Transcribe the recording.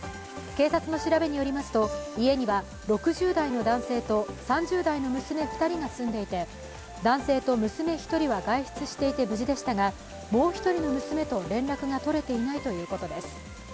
警察の調べによりますと家には６０代の男性と３０代の娘２人が住んでいて男性と娘１人は外出していて無事でしたが、もう一人の娘と連絡が取れていないということです。